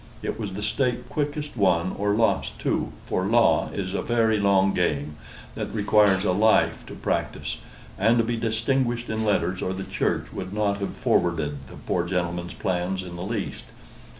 It was the stake quickest won or lost too; for law is a very long game that requires a life to practise; and to be distinguished in letters or the Church would not have forwarded the poor gentleman's plans in the least.